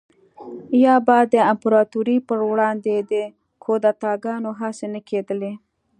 یا به د امپراتورۍ پروړاندې د کودتاګانو هڅې نه کېدلې